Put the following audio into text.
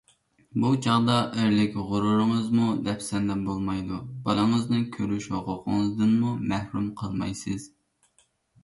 بۇ چاغدا ئەرلىك غۇرۇرىڭىزمۇ دەپسەندە بولمايدۇ، بالىڭىزنى كۆرۈش ھوقۇقىڭىزدىنمۇ مەھرۇم قالمايسىز.